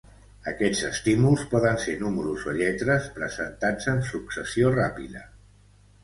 Aquests estímuls poden ser números o lletres presentats en successió ràpida.